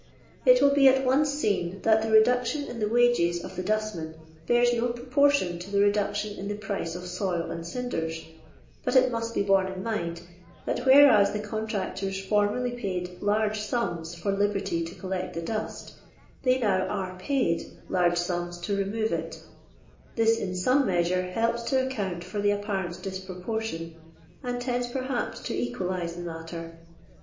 It Avill be at once seen that the reduction in the wa^'cs of the dustmen bears no proportion to the reduction in the price of soil and cinders, but it must be borne in mind that whereas the con tractors formerly paid large sums for liberty to collect the dust, they now are paid large sums to remove it This in some measure helps to account for the apparent disproportion, and tonds, perhaps, to equaliie the matter.